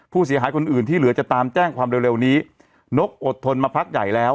ผู้เสียหายคนอื่นที่เหลือจะตามแจ้งความเร็วเร็วนี้นกอดทนมาพักใหญ่แล้ว